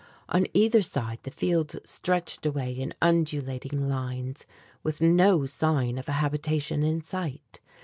On either side, the fields stretched away in undulating lines, with no sign of a habitation in sight.